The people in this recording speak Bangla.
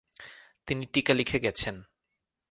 তিনি টীকা লিখে গেছেন।